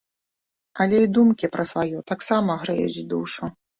Але і думкі пра сваё таксама грэюць душу.